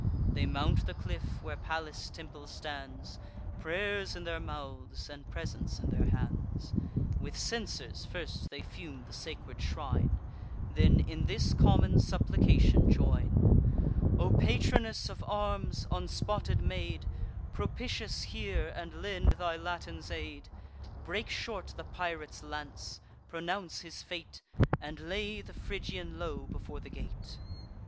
They mount the cliff, where Pallas' temple stands; Pray'rs in their mouths, and presents in their hands, With censers first they fume the sacred shrine, Then in this common supplication join: "O patroness of arms, unspotted maid, Propitious hear, and lend thy Latins aid! Break short the pirate's lance; pronounce his fate, And lay the Phrygian low before the gate."